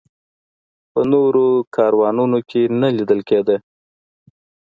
په نورو کاروانونو کې نه لیدل کېده.